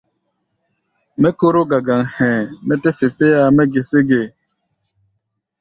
Mɛ́ kóró gagaŋ hɛ̧ɛ̧, mɛ́ tɛ́ fe féáa mɛ́ gesé ge?